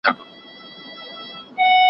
دې چي ول بالا به ډوډۍ لږ وي باره ډېره وه